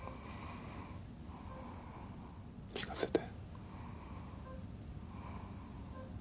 聞かせて。